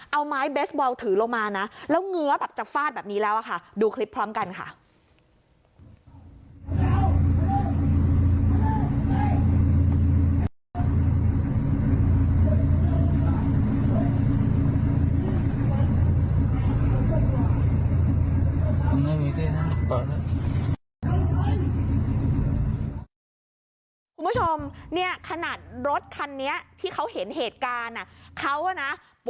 เอาไม้เบสบอลถือลงมานะแล้วเหงือแบบจักฟาดแบบนี้แล้วอ่ะค่ะดูคลิปพร้อมกันค่ะคุณผู้ชมเนี้ยขนาดรถคันนี้ที่เขาเห็นเหตุการณ์อ่ะ